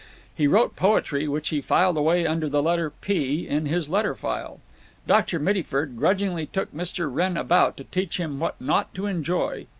He wrote poetry, which he filed away under the letter "P" in his letter file. Dr. Mittyford grudgingly took Mr. Wrenn about, to teach him what not to enjoy.